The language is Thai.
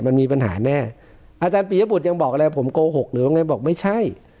มันมีปัญหาแน่อาจารย์ปียบุตรยังบอกอะไรผมโกหกหรือว่าไงบอกไม่ใช่